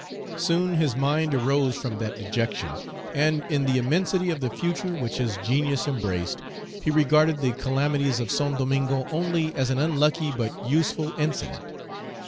Soon his mind arose from that dejection, and in the immensity of the future which his genius embraced, he regarded the calamities of Saint Domingo only as an unlucky but useful incident.